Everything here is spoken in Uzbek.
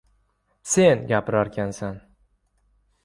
— Sen gapirarkansan?